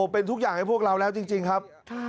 เป็นทุกอย่างให้พวกเราแล้วจริงครับ